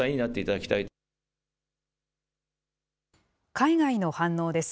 海外の反応です。